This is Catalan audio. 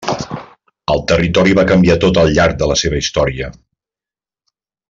El territori va canviar tot al llarg de la seva història.